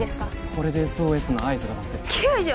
これでＳＯＳの合図が出せる救助？